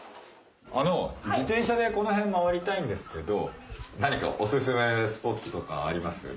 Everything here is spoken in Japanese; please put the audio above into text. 自転車でこの辺回りたいんですけど何かお薦めスポットとかあります？